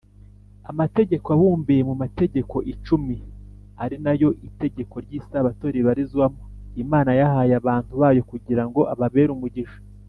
”amategeko abumbiye mu mategeko icumi ari nay o itegeko ry’isabato ribarizwamo, imana yayahaye abantu bayo kugira ngo ababere umugisha